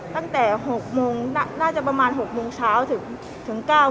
ตั้งแต่๖โมงน่าจะประมาณ๖โมงเช้าถึง๙โมง